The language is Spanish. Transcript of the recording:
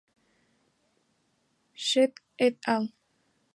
Sheikh et al.